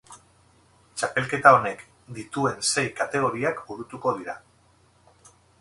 Txapelketa honek dituen sei kategoriak burutuko dira.